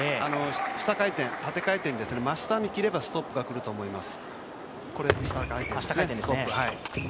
下回転、縦回転、真下に切ればストップが来ると思います。